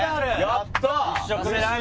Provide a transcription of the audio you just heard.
やったー！